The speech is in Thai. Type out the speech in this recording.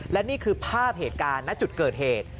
และนี่คือภาพเหตุการณ์ณจุดเกิดเหตุ